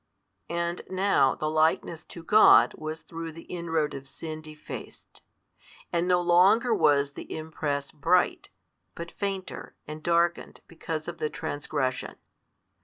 And now the Likeness to God was through the inroad of sin defaced, and no longer was the Impress bright, but fainter and darkened because of the transgression.